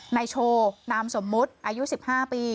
นายโชว์นามสมมุติอายุ๑๕ปี